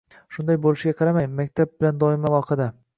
Shunday bo‘lishiga qaramay, maktab bilan doimiy aloqada.